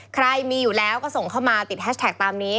ใครมีอยู่แล้วก็ส่งเข้ามาติดแฮชแท็กตามนี้